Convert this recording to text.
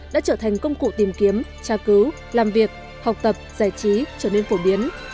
đã trở thành công cụ tìm kiếm tra cứu làm việc học tập giải trí trở nên phổ biến